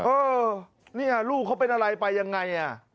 เออนี่ลูกเขาเป็นอะไรไปยังไง